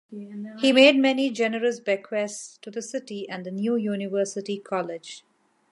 He made many generous bequests to the city and the new University College.